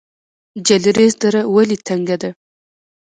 جلریز دره ولې تنګه ده؟